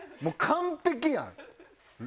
もう完璧やん！